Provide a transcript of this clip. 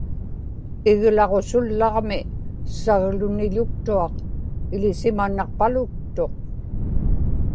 iglaġusullaġmi sagluniḷuktuaq iḷisimanapaluktuq